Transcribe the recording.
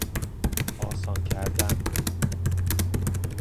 آسان کردن